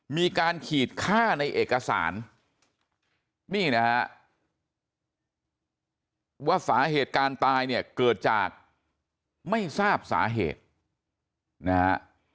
มีการขีดค่าในเอกสารนี่นะฮะว่าสาเหตุการณ์ตายเนี่ยเกิดจากไม่ทราบสาเหตุนะฮะ